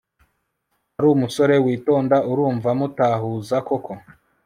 arumusore witonda urumva mutahuza koko